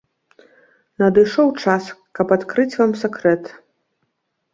Надышоў час, каб адкрыць вам сакрэт.